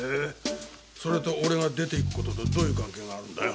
それと俺が出て行く事とどういう関係があるんだよ？